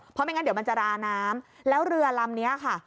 เพราะไม่งั้นเดี๋ยวมันจะราน้ำแล้วเรือลำนี้ค่ะ